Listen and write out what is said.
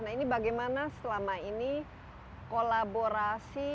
nah ini bagaimana selama ini kolaborasi